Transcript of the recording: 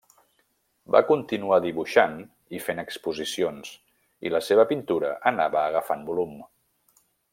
Va continuant dibuixant i fent exposicions i la seva pintura anava agafant volum.